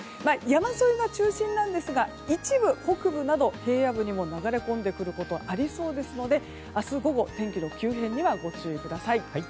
山沿いが中心なんですが一部、北部など平野部にも流れ込んでくることがありそうですので明日午後、天気の急変にはご注意ください。